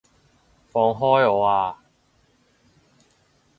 放開我啊！